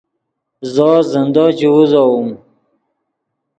زو زندو چے اوزوؤم